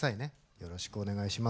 よろしくお願いします。